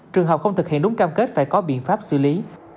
trường hợp không thực hiện đúng cam kết phải có biện pháp xử lý